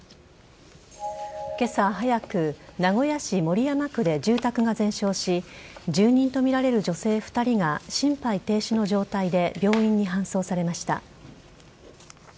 今朝早く、名古屋市守山区で住宅が全焼し住人とみられる女性２人が心肺停止の状態で病院に搬送されました。